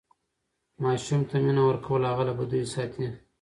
ماسوم ته مینه ورکول هغه له بدیو ساتي.